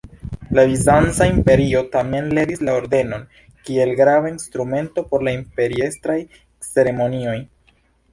La bizanca imperio tamen levis la orgenon kiel grava instrumento por la imperiestraj ceremonioj.